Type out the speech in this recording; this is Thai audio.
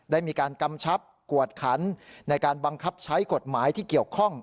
ได้มีการกำชับกวดขันในการบังคับใช้กฎหมายที่เกี่ยวข้อง